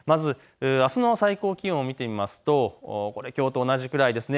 まずあすの最高気温を見てみますと、きょうと同じくらいですね。